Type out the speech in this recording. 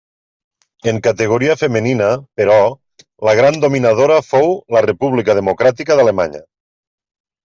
En categoria femenina, però, la gran dominadora fou la República Democràtica d'Alemanya.